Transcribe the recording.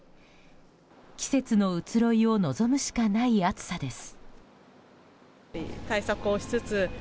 季節の移ろいを望むしかない暑さです。